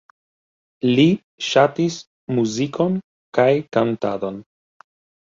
Li ŝatis muzikon kaj kantadon.